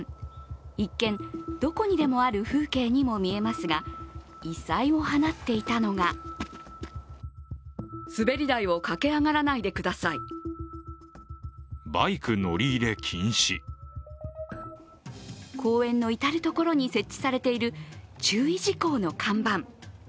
一見どこにでもある風景にも見えますが、異彩を放っていたのが公園の至る所に設置されている注意事項の看板。